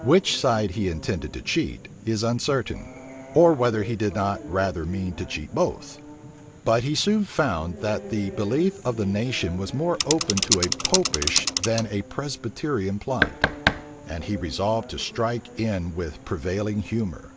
Which side he intended to cheat, is uncertain; or whether he did not rather mean to cheat both: but he soon found, that the belief of the nation was more open to a Popish than a Presbyterian plot; and he resolved to strike in with the prevailing humor.